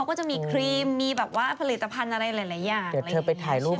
ก็ไม่มาเท่าไรหรอก